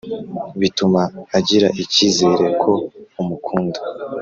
bituma agira icyizere ko umukunda